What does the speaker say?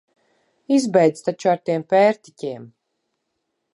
Izbeidz taču ar tiem pērtiķiem!